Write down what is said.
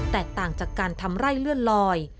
แตกต่างจากการทำไร่เลื่อนลอย